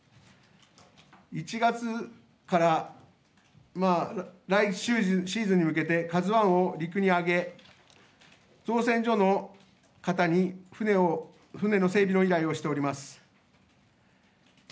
１月から来シーズンに向けてＫＡＺＵＩを陸に揚げ造船所の方に船の整備を依頼しております。